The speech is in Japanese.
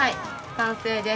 完成です。